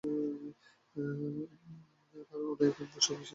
তার অনেক দিনের স্বপ্ন ছিল আমি জিএম হবো।